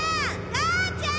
母ちゃん！